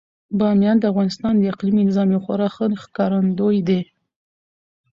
بامیان د افغانستان د اقلیمي نظام یو خورا ښه ښکارندوی دی.